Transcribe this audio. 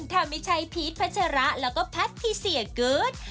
ถ้าไม่ใช่พีชพัชระแล้วก็แพทิเซียกู๊ด